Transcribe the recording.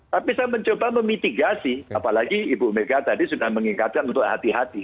tapi saya mencoba memitigasi apalagi ibu mega tadi sudah mengingatkan untuk hati hati